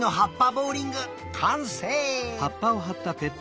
ボウリングかんせい！